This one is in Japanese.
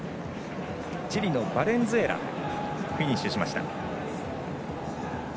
チリのバレンスエラフィニッシュしました。